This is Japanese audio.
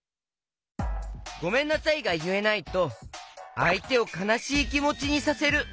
「ごめんなさい」がいえないとあいてをかなしいきもちにさせる！